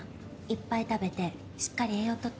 いっぱい食べてしっかり栄養とっ